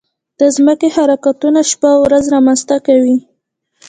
د ځمکې حرکتونه شپه او ورځ رامنځته کوي.